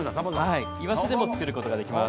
イワシでも作ることができます。